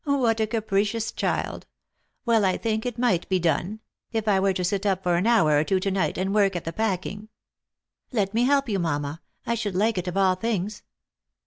" What a capricious child ! Well I think it might be done — if I were to sit up for an hour or two to night and work ath e packing." " Let me help you, mamma. I should like it of all things."